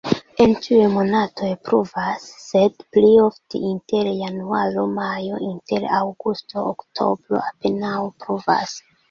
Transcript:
En ĉiuj monatoj pluvas, sed pli ofte inter januaro-majo, inter aŭgusto-oktobro apenaŭ pluvas.